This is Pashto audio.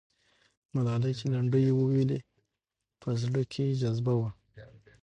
ملالۍ چې لنډۍ یې وویلې، په زړه کې یې جذبه وه.